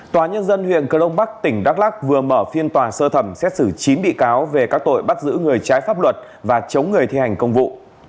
tòa nhân dân huyện cơ đông bắc tỉnh đắk lắc vừa mở phiên tòa sơ thẩm xét xử chín bị cáo về các tội bắt giữ người trái pháp luật và chống người thi hành công vụ